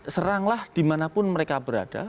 seranglah dimanapun mereka berada